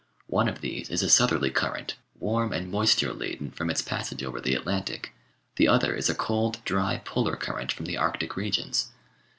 One of these is a southerly current, warm and moisture laden from its passage over the Atlantic; the other is a cold dry polar current from the Arctic regions.